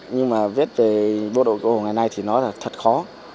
nhưng mà viết về bộ đội cổ hồ ngày nay thì nó là thật khó